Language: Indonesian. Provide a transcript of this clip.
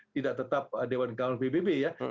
tidak tetap dewan kawanan